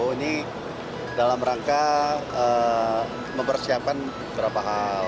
ini dalam rangka mempersiapkan kereta